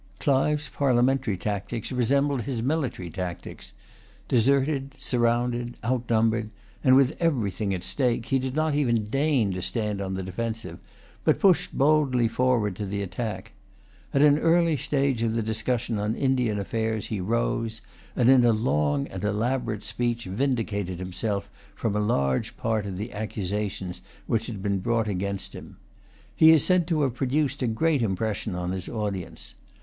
Clive's parliamentary tactics resembled his military tactics. Deserted, surrounded, outnumbered, and with everything at stake, he did not even deign to stand on the defensive, but pushed boldly forward to the attack. At an early stage of the discussions on Indian affairs he rose, and in a long and elaborate speech vindicated himself from a large part of the accusations which had been brought against him. He is said to have produced a great impression on his audience.